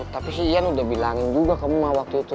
tapi si iyan udah bilangin juga ke emak waktu itu